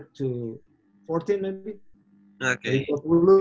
kemudian mereka memotong ke empat belas mungkin